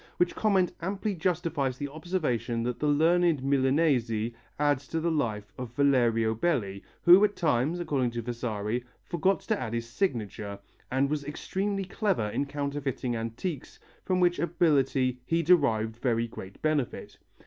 Which comment amply justifies the observation that the learned Milanesi adds to the life of Valerio Belli, who at times, according to Vasari, forgot to add his signature, and was extremely clever in counterfeiting antiques, from which ability "he derived very great benefit."